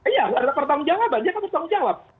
iya ada pertanggung jawabannya dia kan pertanggung jawab